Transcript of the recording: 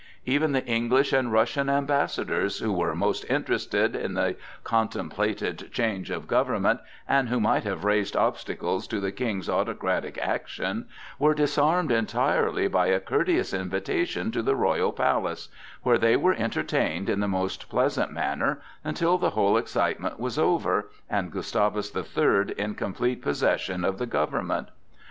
Even the English and Russian ambassadors, who were most interested in the contemplated change of government, and who might have raised obstacles to the King's autocratic action, were disarmed entirely by a courteous invitation to the royal palace, where they were entertained in the most pleasant manner until the whole excitement was over and Gustavus the Third in complete possession of the government.